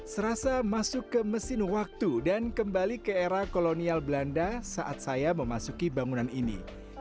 serasa masuk ke mesin waktu dan kembali ke era kolonial belanda saat saya memasuki bangunan ini